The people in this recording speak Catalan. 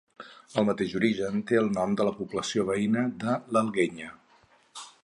El mateix origen té el nom de la població veïna de l'Alguenya.